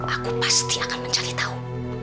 aku pasti akan mencari tahu